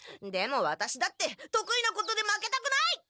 でもワタシだってとくいなことで負けたくない！